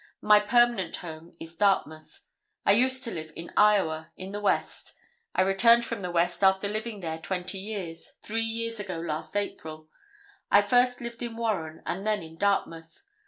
My permanent home is Dartmouth. I used to live in Iowa, in the West. I returned from the West after living there 20 years, three years ago last April. I first lived in Warren and then in Dartmouth.